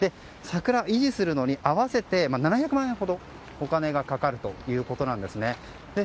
桜を維持するのに合わせて７００万円ほどお金がかかるということなんです。